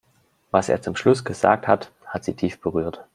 Was er zum Schluss gesagt hat, hat sie tief berührt.